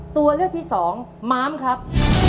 ตัวเลือกที่สองม้ามครับ